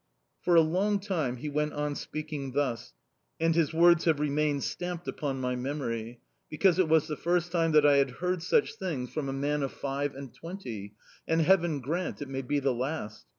"For a long time he went on speaking thus, and his words have remained stamped upon my memory, because it was the first time that I had heard such things from a man of five and twenty and Heaven grant it may be the last.